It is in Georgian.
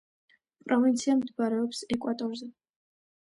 პროვინცია მდებარეობს ეკვატორზე.